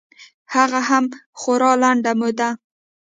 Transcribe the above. هغه هم خورا لنډه موده.